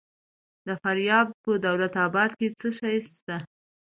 د فاریاب په دولت اباد کې څه شی شته؟